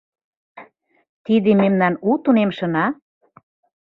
— Тиде мемнан у тунемшына?..